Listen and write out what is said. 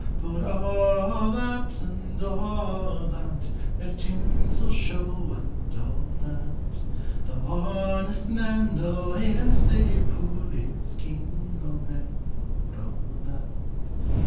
For a' that, and a' that, Their tinsel show, and a' that ; The honest man, though e'er sae poor, Is king o' men for a' that.